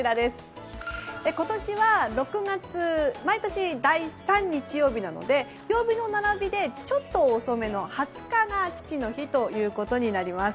今年は６月毎年第３日曜日なので曜日の並びで、ちょっと遅めの２０日が父の日ということになります。